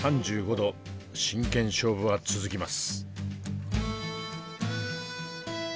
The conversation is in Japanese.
真剣勝負は続きます。